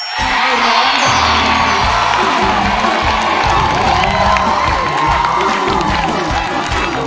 ร้องทัน